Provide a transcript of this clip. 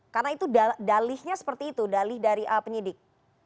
karena itu dalihnya seperti itu dalih dari penyidik